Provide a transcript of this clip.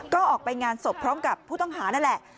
ก็ออกไปงานศพพร้อมกับผู้ต้องหานั่นแหละ